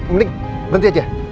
mending berhenti aja